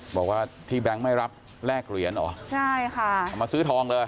บอกว่าที่แบงค์ไม่รับแลกเหรียญเหรอใช่ค่ะเอามาซื้อทองเลย